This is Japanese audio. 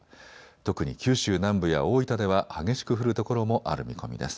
特に九州南部や大分では激しく降る所もある見込みです。